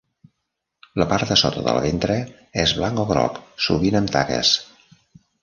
La part de sota del ventre és blanc o groc sovint amb taques.